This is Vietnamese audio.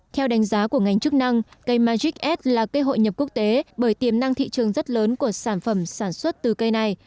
theo đánh giá của ngành chức năng cây magics là cây hội nhập quốc tế bởi tiềm năng thị trường rất lớn của sản phẩm sản xuất từ cây này